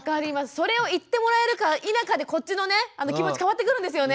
それを言ってもらえるか否かでこっちの気持ち変わってくるんですよね。